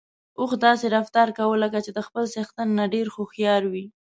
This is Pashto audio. اوښ داسې رفتار کاوه لکه چې د خپل څښتن نه ډېر هوښيار وي.